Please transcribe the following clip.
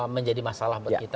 menjadi masalah buat kita